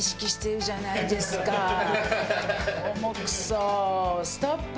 おもくそストップ！